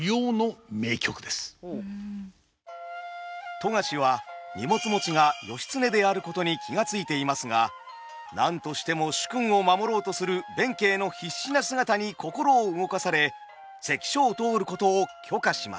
富樫は荷物持ちが義経であることに気が付いていますが何としても主君を守ろうとする弁慶の必死な姿に心を動かされ関所を通ることを許可します。